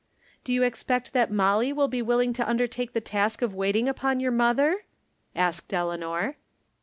" Do you expect that Molly will be willing to undertake the task of waiting upon your mother ?" asked Eleanor.